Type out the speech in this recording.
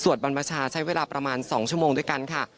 บรรพชาใช้เวลาประมาณ๒ชั่วโมงด้วยกันค่ะ